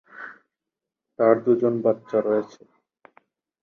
তার দুজন বাচ্চা রয়েছে।